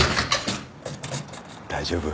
大丈夫？